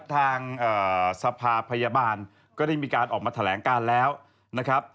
ทางสภาพยาบาลก็ได้มีการออกมาแถลงการแล้วนะครับ